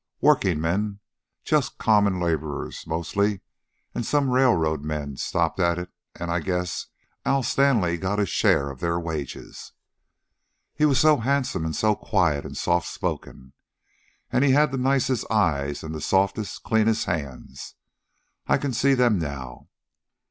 Workingmen, just common laborers, mostly, and some railroad men, stopped at it, and I guess Al Stanley got his share of their wages. He was so handsome and so quiet and soft spoken. And he had the nicest eyes and the softest, cleanest hands. I can see them now.